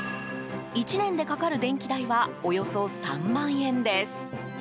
１年でかかる電気代はおよそ３万円です。